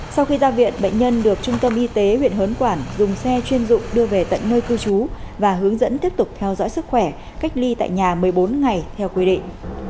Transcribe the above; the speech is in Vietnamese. sau khi ra viện bệnh nhân được trung tâm y tế huyện hớn quản dùng xe chuyên dụng đưa về tận nơi cư trú và hướng dẫn tiếp tục theo dõi sức khỏe cách ly tại nhà một mươi bốn ngày theo quy định